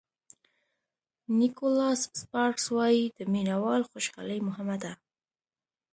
نیکولاس سپارکز وایي د مینه وال خوشالي مهمه ده.